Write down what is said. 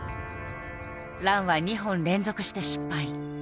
ランは２本連続して失敗。